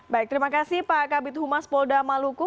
baik terima kasih pak kabit humas polda maluku